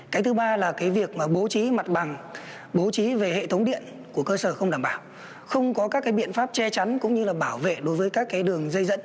cái thứ ba là việc bố trí mặt bằng bố trí về hệ thống điện của cơ sở không đảm bảo không có các biện pháp che chắn cũng như là bảo vệ đối với các đường dây dẫn